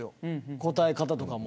答え方とかも。